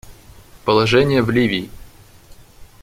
Положение в Ливии.